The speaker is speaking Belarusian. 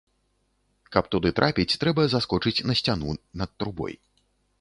Каб туды трапіць, трэба заскочыць на сцяну над трубой.